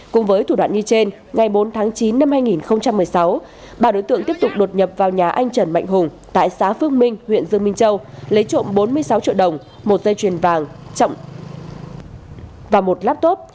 cùng với thủ đoạn như trên ngày bốn tháng chín năm hai nghìn một mươi sáu ba đối tượng tiếp tục đột nhập vào nhà anh trần mạnh hùng tại xã phước minh huyện dương minh châu lấy trộm bốn mươi sáu triệu đồng một dây chuyền vàng và một laptop